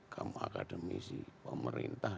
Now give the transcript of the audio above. kamu akademisi pemerintah